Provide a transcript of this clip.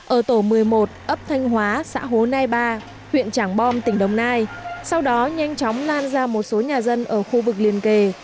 ở tổ một mươi một ấp thanh hóa xã hồ nai ba huyện trảng bom tỉnh đồng nai sau đó nhanh chóng lan ra một số nhà dân ở khu vực liền kề